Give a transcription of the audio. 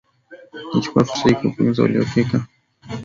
Nachukua fursa hii kuwapongeza waliofika